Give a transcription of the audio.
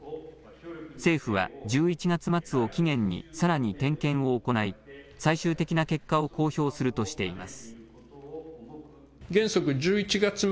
政府は、１１月末を期限にさらに点検を行い最終的な結果を公表するとしています。